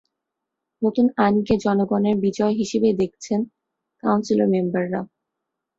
নতুন আইনকে জনগণের বিজয় হিসেবেই দেখছেন কাউন্সিল মেম্বাররা।